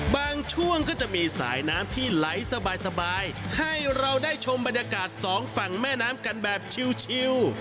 ช่วงก็จะมีสายน้ำที่ไหลสบายให้เราได้ชมบรรยากาศสองฝั่งแม่น้ำกันแบบชิว